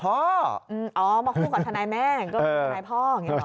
อ๋อมาคู่กับทนายแม่ก็คือทนายพ่ออย่างนี้หรอ